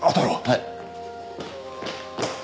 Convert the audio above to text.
はい。